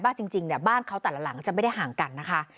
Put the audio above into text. บ้านจริงบ้านเขาแต่ละหลังจะไม่ได้ห่างกันนะคะ